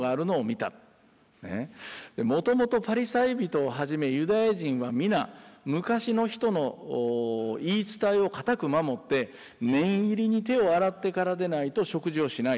もともとパリサイ人をはじめユダヤ人は皆昔の人の言い伝えを固く守って念入りに手を洗ってからでないと食事をしない。